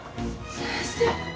先生？